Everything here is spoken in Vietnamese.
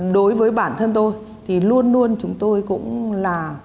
đối với bản thân tôi thì luôn luôn chúng tôi cũng là